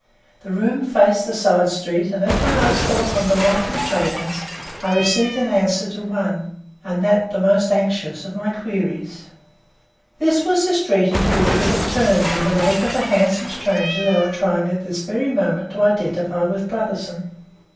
This room faced a side street, and, as my eyes fell upon the whitened pavements, I received an answer to one, and that the most anxious, of my queries. This was the street into which we had turned, in the wake of the handsome stranger they were trying at this very moment to identify with Brotherson.